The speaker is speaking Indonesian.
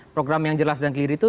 program yang jelas dan kiri itu